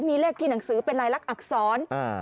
มีเลขที่หนังสือเป็นลายลักษณอักษร